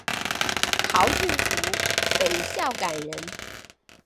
陶峻湖北孝感人。